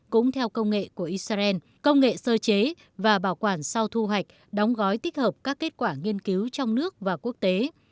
cũng theo công nghệ của israel công nghệ sơ chế và bảo quản sau thu hoạch đóng gói tích hợp các kết quả nghiên cứu trong nước và quốc tế